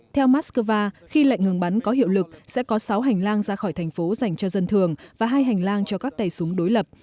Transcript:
theo moscow khi lệnh ngừng bắn có hiệu lực sẽ có sáu hành lang ra khỏi thành phố dành cho dân thường và hai hành lang cho các tay súng đối lập